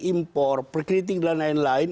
impor perkritik dan lain lain